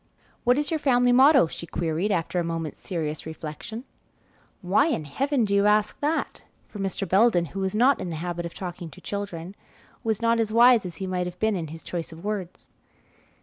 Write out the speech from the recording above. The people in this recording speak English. "What is your family motto?" she queried, after a moment's serious reflection. "Why in Heaven do you ask that?" for Mr. Belden, who was not in the habit of talking to children, was not as wise as he might have been in his choice of words.